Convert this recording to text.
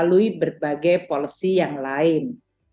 melalui berbagai policy yang lain